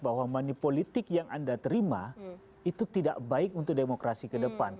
bahwa money politik yang anda terima itu tidak baik untuk demokrasi ke depan